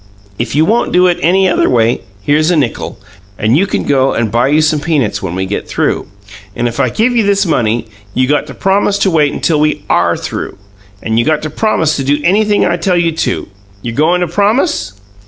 "If you won't do it any other way, here's a nickel, and you can go and buy you some peanuts when we get through. But if I give you this money, you got to promise to wait till we ARE through, and you got to promise to do anything I tell you to. You goin' to promise?"